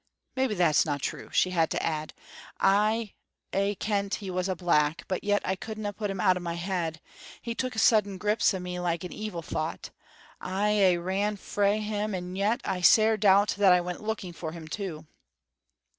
"Maybe that's no' true," she had to add. "I aye kent he was a black, but yet I couldna put him out o' my head; he took sudden grips o' me like an evil thought. I aye ran frae him, and yet I sair doubt that I went looking for him too."